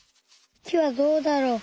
木はどうだろう？